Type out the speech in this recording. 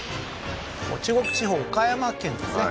中国地方岡山県ですね